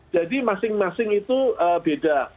jadi masing masing itu beda